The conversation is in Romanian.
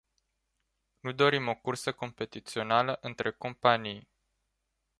Nu dorim o cursă competițională între companii.